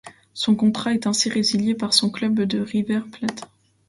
Son contrat est ainsi résilié par son club de River Plate.